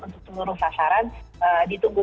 untuk seluruh sasaran ditunggu